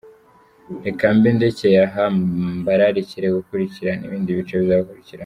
Reka mbe ndekeye aha, mbararikire gukurikirana ibindi bice bizakurikiraho !